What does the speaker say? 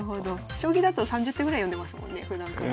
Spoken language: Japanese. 将棋だと３０手ぐらい読んでますもんねふだんから。